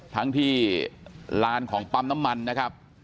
ทั้งที่ลานของปั๊มน้ำมันนะครับ